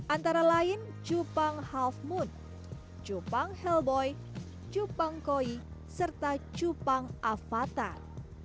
antara lain cupang half moon cupang helboy cupang koi serta cupang avatar